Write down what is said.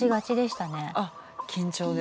あっ緊張で。